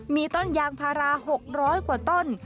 มีต้นยางพารา๖๐๐กว่าต้น